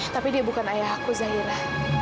tapi dia bukan ayahku zahira